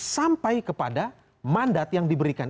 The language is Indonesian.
sampai kepada mandat yang diberikan